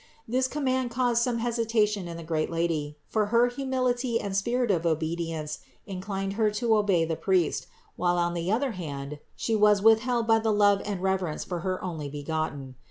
This command caused some hesitation in the great Lady ; for her humility and spirit of obedience inclined Her to obey the priest, while on the other hand She was withheld by the love and reverence for her Onlybegotten.